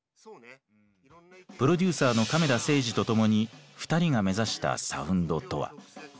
プロデューサーの亀田誠治と共に２人が目指したサウンドとは。